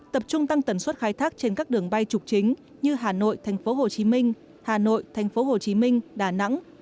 tập trung tăng tần suất khai thác trên các đường bay trục chính như hà nội thành phố hồ chí minh hà nội thành phố hồ chí minh đà nẵng